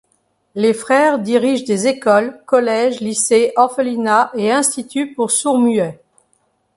Les frères dirigent des écoles, collèges, lycées, orphelinats, et instituts pour sourds-muets.